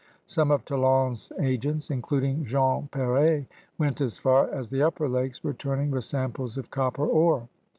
Some of Talon's agents, including Jean Per£, went as far as the upper lakes, returning with samples of copper ore.